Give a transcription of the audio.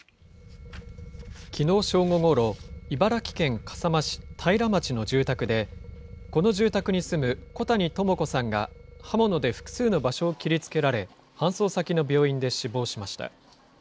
きのう正午ごろ、茨城県笠間市平町の住宅で、この住宅に住む小谷朋子さんが、刃物で複数の場所を切りつけられ、搬送先の病院で死亡しました。